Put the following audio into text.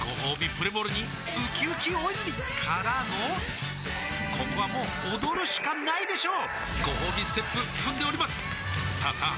プレモルにうきうき大泉からのここはもう踊るしかないでしょうごほうびステップ踏んでおりますさあさあ